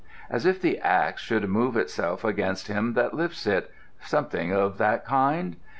'As if the axe should move itself against him that lifts it; something of that kind?'